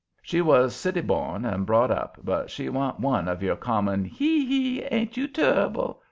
She was city born and brought up, but she wa'n't one of your common "He! he! ain't you turrible!"